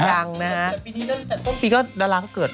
แต่ต้นปีนางก็เกิด